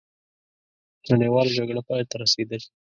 نړیواله جګړه پای ته رسېدلې.